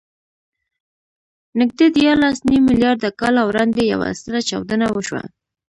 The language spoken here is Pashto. نږدې دیارلسنیم میلیارده کاله وړاندې یوه ستره چاودنه وشوه.